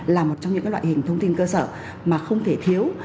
là một trong những loại hình thông tin cơ sở mà không thể thiếu